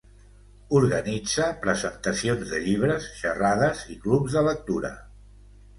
Organitza presentacions de llibres, xerrades i clubs de lectura.